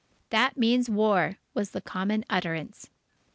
"That means war!" was the common utterance.